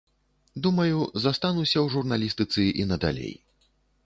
Думаю, застануся ў журналістыцы і надалей.